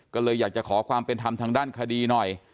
ก็เลยอยากจะขอความเป็นธรรมทางด้านคดีหน่อย